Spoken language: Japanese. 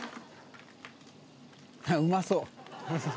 うまそう。